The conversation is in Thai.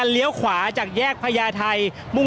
ก็น่าจะมีการเปิดทางให้รถพยาบาลเคลื่อนต่อไปนะครับ